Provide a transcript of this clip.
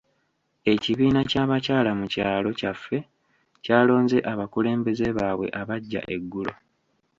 Ekibiina ky'abakyala mu kyalo kyaffe kyalonze abakulembeze baabwe abaggya eggulo.